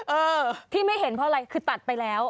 เออที่ไม่เห็นเพราะอะไรคือตัดไปแล้ว